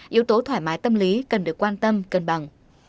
yếu tố thoải mái tâm lý cần được quan tâm cân bằng